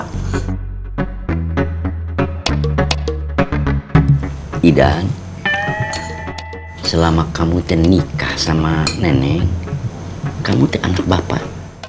gidan selama kamu ternikah sama nenek kamu teranak bapak